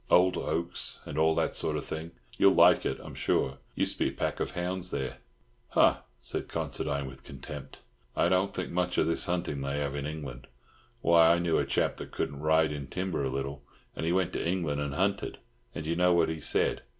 Old oaks, and all that sort of thing. You'll like it, I'm sure. Used to be a pack of hounds there." "Ha!" said Considine with contempt. "I don't think much of this huntin' they have in England. Why, I knew a chap that couldn't ride in timber a little, and he went to England and hunted, and d'you know what he said?